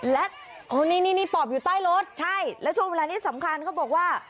และโอ้นี่นี่ปอบอยู่ใต้รถใช่แล้วช่วงเวลานี้สำคัญเขาบอกว่า